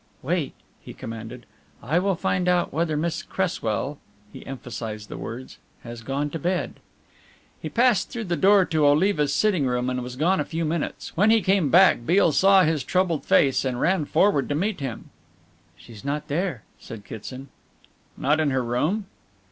"Wait," he commanded, "I will find out whether Miss Cresswell," he emphasized the words, "has gone to bed." He passed through the door to Oliva's sitting room and was gone a few minutes. When he came back Beale saw his troubled face, and ran forward to meet him. "She's not there," said Kitson. "Not in her room?"